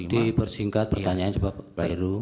di persingkat pertanyaan coba pak heru